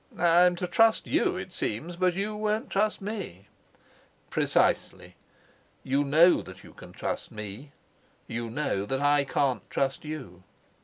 "I'm to trust you, it seems, but you won't trust me!" "Precisely. You know you can trust me; you know that I can't trust you."